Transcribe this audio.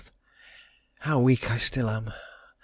How weak I still am!